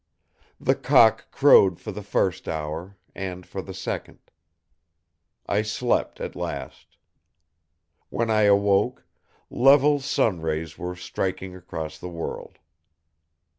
The cock crowed for the first hour; and for the second. I slept, at last. When I awoke, level sun rays were striking across the world.